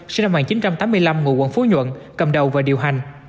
sinh năm một nghìn chín trăm tám mươi năm ngụ quận phú nhuận cầm đầu và điều hành